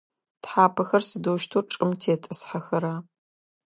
Тхьапэхэр сыдэущтэу чӏым тетӏысхьэхэра?